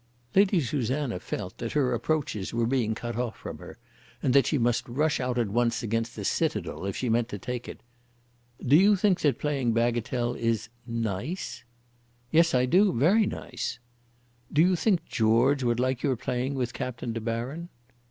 Lady Susanna felt that her approaches were being cut off from her, and that she must rush at once against the citadel if she meant to take it. "Do you think that playing bagatelle is nice?" "Yes, I do; very nice." "Do you think George would like your playing with Captain De Baron?"